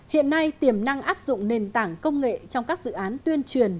hiện nay tiềm năng áp dụng nền tảng công nghệ trong các dự án tuyên truyền